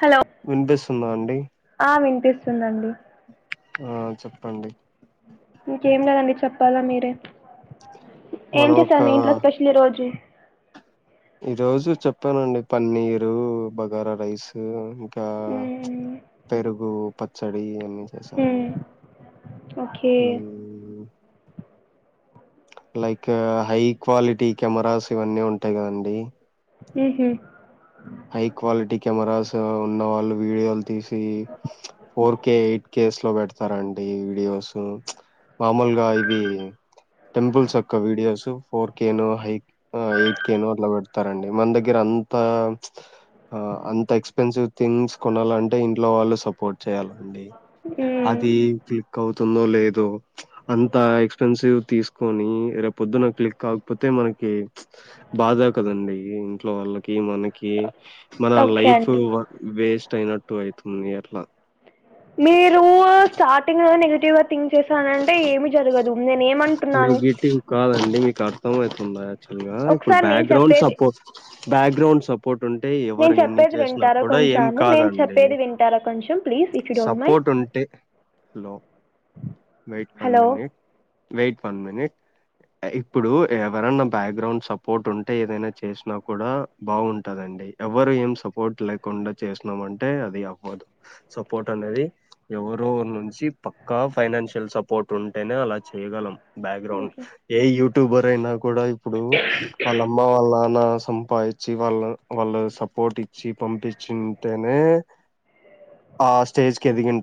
Hello వినిపిస్తుందా అండి ఆ వినిపిస్తుందండి ఆ చెప్పండి ఇంకేం లేదండి చెప్పాలా మీరే ఏం మనం ఒక చేశారు మీ ఇంట్లో స్పెషల్ ఈ రోజు ఈ రోజు చెప్పానండి పన్నీరు బగారా రైస్ ఇంకా పెరుగు పచ్చడి ఇవన్నీ చేశారండి okay like high quality cameras ఇవన్నీ ఉంటాయి కదండి ఉమ్ హు హై క్వాలిటీ కెమెరాస్ ఉన్నవాళ్ళు వీడియోలు తీసి ఫోర్ కే ఎయిట్ కే లో పెడతారండి వీడియోస్ మామూలుగా ఇవి టెంపుల్స్ యొక్క వీడియోస్ ఫోర్ కేనో హై ఎయిట్ కేనో అట్లా పెడ్ త రండి మన దగ్గర అంతా ఆ అంత ఎక్స్పెన్సివ్ థింగ్స్ కొనాలంటే ఇంట్లో వాళ్ళు సపోర్ట్ చేయాలండి మ్మ్ అది క్లిక్ అవుతుందో లేదో అంత ఎక్స్పెన్సివ్ తీసుకొని రే పొద్దున్న క్లిక్ కాకపోతే మనకి బాదే కదండి ఇంట్లో వాళ్ళకి మనక్ కి మన ఓకే లైఫ్ అండి వేస్ట్ అయినట్టు అయితుంది అట్లా మీరు స్టార్టింగ్ లో నెగిటివ్ థింక్ చేశానంటే ఏమి జరగదు నేను ఏమంటున్నాను సో అయితున్నాయ్ యాక్టువల్గా ఇప్పుడు ఒకసారి నేను బ్యాక్గ్రౌండ్ చెప్పేది సపోర్ట్ బ్యాక్గ్రౌండ్ సపోర్ట్ ఉంటే నేను ఎవరు ఎన్ని చెప్పేది చేసినా వింటారా కూడా ఏం కొంచెము నేను కాదండి చెప్పేది వింటారా కొంచెం please if you don't mind support ఉంటే hello wait one minute hello wait one minute ఇప్పుడు ఎవరన్నా బ్యాక్గ్రౌండ్ సపోర్ట్ ఉంటే ఏదైనా చేసినా కూడా బాగుంటందం డి ఎవరు ఏం సపోర్ట్ లేకుండా చేసినామ అంటే అది అవ్వదు సపోర్ట్ అనేది ఎవరో ఒకరి నుంచి పక్కా ఫైనాన్షియల్ సపోర్ట్ ఉంటేనే అలా చేయ్యగలం బ్యాక్గ్రౌండ్ ఏ యూట్యూబర్ అయినా కూడా ఇప్పుడు వాళ్ళ అమ్మ వాళ్ళ నాన్న సం పా ఇచ్చి వాళ్ళు వాళ్ళు సపోర్ట్ ఇచ్చి పంపించింటేనే ఆ స్టేజ్ కి ఎదిగిం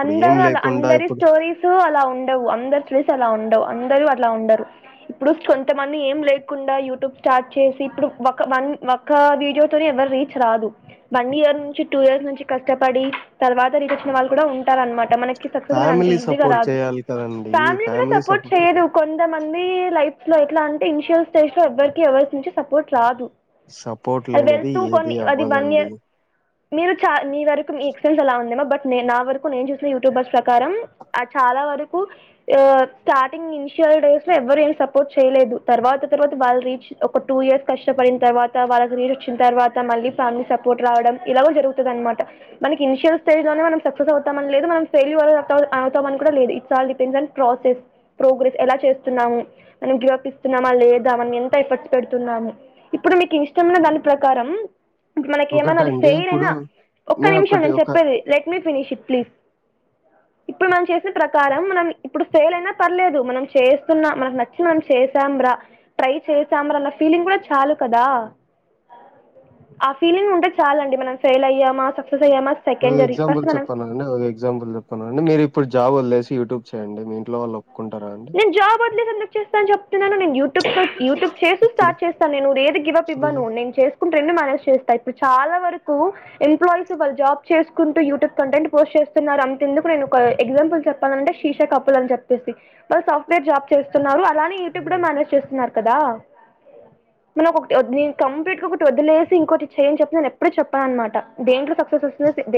అందరు అలా అందరి స్టోరీస్ స్ అలా ఉండవు అందరు స్టోరీస్ అలా ఉండవు అందరూ అలా ఉండరు. ఇప్పుడు కొంతమంది ఏం లేకుండా యూట్యూబ్ స్టార్ట్ చేసి ఇప్పుడు ఒక వన్ ఒక వీడియోతోనే రీచ్ రాదు వన్ ఇయర్ నుంచి టూ ఇయర్స్ నుంచి కష్టపడి తర్వాత రీచ్ వచ్చిన వాళ్ళు కూడా ఉంటారనమాట మనకి. సక్సెస్ అనేది అంత ఫ్యామిలీ ఈజీ గా సపోర్ట్ రాదు చేయాలి కదండీ! ఫ్యామిలీ కూడా సపోర్ట్ సపో చేయదు కొంతమంది లైఫ్. లో ఎట్ల అంటే ఇన్షియల్ స్టేజ్ లో ఎవరికి ఎవరి నుంచి సపోర్ట్ రాదు. సపోర్ట్ అది లేనిది వెళ్తూ ఏది కొన్ని అది వన్ అవ్వదండి ఇయర్. మీరు చా మీ వరకు మీ ఎక్స్పీరియన్స్ అలా ఉందేమా బట్ నే నా. వరకు నేను చూసిన యూట్యూబర్స్ ప్రకారం ఆ చాలా వరకు ఆ స్టార్టింగ్ ఇనిషియల్ డేస్. స్ ఎవ్వరేం సపోర్ట్ చేయలేదు తర్వాత తర్వాత వాళ్ళ రీచ్ ఒక టూ ఇయర్స్ కష్టపడిన తర్వాత వాళ్ళకి రీచ్. చ్ వచ్చిన తర్వాత మళ్ళీ ఫ్యామిలీ సపోర్ట్ రావడం ఇలా కూడా జరుగుతది అనమాట మనకి ఇనిషియల్ స్టేజ్ లోనే మనం. సక్సెస్ అవుతామని లేదు మనం ఫెల్యూర్ అవుతా అవుతామని కూడా లేదు it's all depends on process. Progress ఎలా చేస్తున్నాము మనం గివ్అప్ ఇస్తున్నామా లేదా అని ఎంత ఎఫర్ట్స్ పెడుతున్నాము ఇప్పు. ఇప్పుడు మీకు ఇష్టమున్న దాని ప్రకారం. మనకి ఏమన్నా అది ఒకటండి ఫెయిల్ ఇప్పుడు అయినా ఒక్క నిమిషం ఒకటి నేను ఒక చెప్పేది let me finish it please. ఇప్పుడు మనం చేసిన ప్రకారం మనం ఇప్పుడు ఫేల్ అయినా పర్లేదు, మనం చేస్తున్న మనకు నచ్చి మనం చేసాం రా ట్రై చేశామనన్న ఫీలింగ్ కూడా చాలు కదా. ఆ ఫీలింగ్ ఉంటే చాలండి, మనం ఫెయిల్ అయ్యామా సక్సెస్ అయ్యామా సెకండరీ. ఇంగోటి ఫస్ట్ మనం చెప్పన అండి ఒక ఎగ్జాంపుల్ చెప్పన అండి మీరిప్పుడు జాబ్ వదిలేసి యూట్యూబ్ చేయండి మీ ఇంట్లో వాళ్ళ నేను జాబ్ వదిలేసి ఎందుకు చేస్తాను చెప్తున్నాను నేను యూట్యూబ్ చే యూట్యూబ్ చేస్తూ ఇప్పుడు స్టార్ట్ చేస్తాను నేను ఏది గివప్ ఇవ్వను ఇప్పుడు నేను చేస్త రెండు మేనేజ్ చేస్త ఇప్పుడు చాల వరకు ఎంప్లాయిస్ వాళ్ళు జాబ్ చేసుకుంటూ యూట్యూబ్ కంటెంట్ పోస్ట్ చే స్తున్నారు అంత ఎందుకు నేను ఒక ఎగ్జాంపుల్ చెప్పానంటే శీష కపుల్ అని చెప్పేసి వాళ్ళు సాఫ్ట్వేర్ జాబ్ చేస్తున్నారు అలానే యూట్యూబ్ కూడా మేనేజ్ చేస్తున్నారు కదా మనం ఒక ఒకటి నేను కంప్లీట్ గా ఒకటి వదిలేసి ఇంకోటి చెయ్ అని చెప్పి నేను ఎప్పుడు చెప్పననుమాట దేంట్లో సక్సెస్ వస్తు